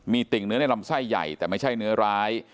มีติ่งเนื้อในลำไส้ใหญ่แต่ไม่ใช่เนื้อร้าย